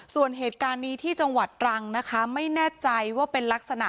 ส่วนเหตุการณ์นี้ที่จังหวัดตรังนะคะไม่แน่ใจว่าเป็นลักษณะ